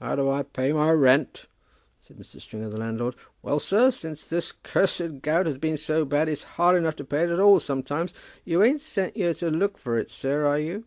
"How do I pay my rent?" said Mr. Stringer, the landlord. "Well, sir, since this cursed gout has been so bad, it's hard enough to pay it at all sometimes. You ain't sent here to look for it, sir, are you?"